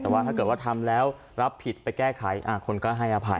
แต่ว่าถ้าเกิดว่าทำแล้วรับผิดไปแก้ไขคนก็ให้อภัย